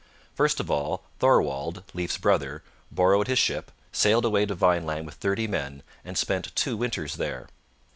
First of all, Thorwald, Leif's brother, borrowed his ship, sailed away to Vineland with thirty men, and spent two winters there.